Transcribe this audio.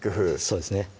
そうですね